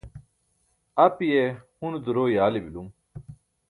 apiye hune duro e yaali bilum